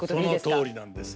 そのとおりなんです。